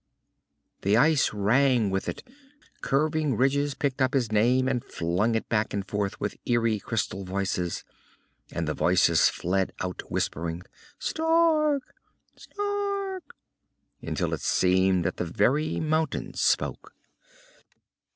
_" The ice rang with it, curving ridges picked up his name and flung it back and forth with eerie crystal voices, and the echoes fled out whispering Stark! Stark! until it seemed that the very mountains spoke.